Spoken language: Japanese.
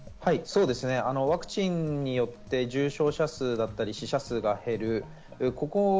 ワクチンによって重症者数や死者数が減る。